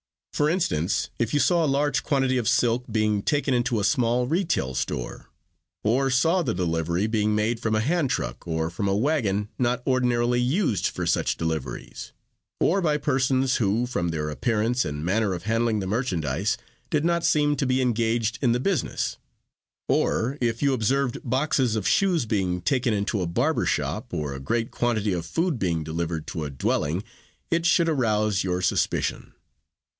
For instance, if you saw a large quantity of silk being taken into a small retail store, or saw the delivery being made from a hand truck or from a wagon not ordinarily used for such deliveries, or by persons who, from their appearance and manner of handling the merchandise, did not seem to be engaged in the business; or if you observed boxes of shoes being taken into a barber shop, or a great quantity of food being delivered to a dwelling, it should arouse your suspicion.